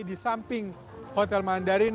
di samping hotel mandarin